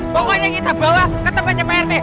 pokoknya kita bawa ke tempatnya prt